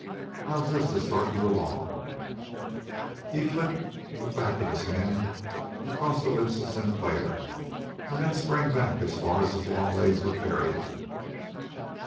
"How's this to start you along?" He flicked the back of his hand across the lips of Sinclair, and then sprang back as far as his long legs would carry him.